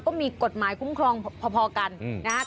ก็มีกฎหมายคุ้มครองพอกันนะครับ